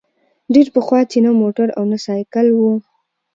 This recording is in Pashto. ډېر پخوا چي نه موټر او نه سایکل وو